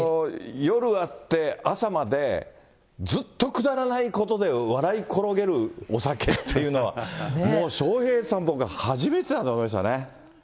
夜あって、朝までずっとくだらないことで笑い転げるお酒っていうのは、もう、笑瓶さんが僕は初めてだと思いましたね。